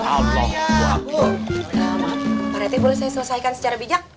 alamak pak rete boleh saya selesaikan secara bijak